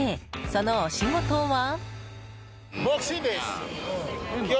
そのお仕事は？